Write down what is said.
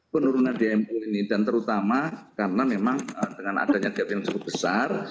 penurunan dmo ini dan terutama karena memang dengan adanya gap yang cukup besar